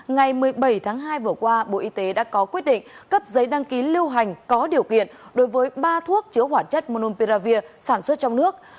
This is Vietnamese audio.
ngày một mươi bảy tháng hai vừa qua bộ y tế đã có quyết định cấp giấy đăng ký lưu hành có điều kiện đối với ba thuốc chứa hỏa chất monomperavir sản xuất trong nước